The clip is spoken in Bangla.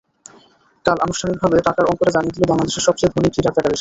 কাল আনুষ্ঠানিকভাবে টাকার অঙ্কটা জানিয়ে দিল বাংলাদেশের সবচেয়ে ধনী ক্রীড়া ফেডারেশন।